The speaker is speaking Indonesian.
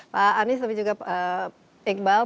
pak anies tapi juga iqbal